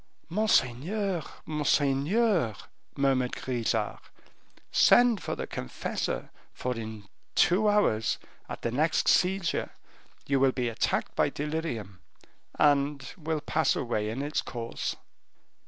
"Monseigneur, monseigneur," murmured Grisart, "send for the confessor, for in two hours, at the next seizure, you will be attacked by delirium, and will pass away in its course."